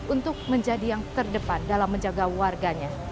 untuk menjadi yang terdepan dalam menjaga warganya